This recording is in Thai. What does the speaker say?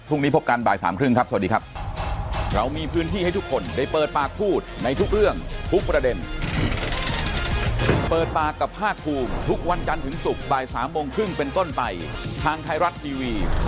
พรุ่งนี้พบกันบ่ายสามครึ่งครับสวัสดีครับ